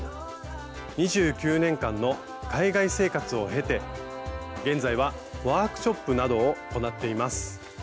２９年間の海外生活を経て現在はワークショップなどを行っています。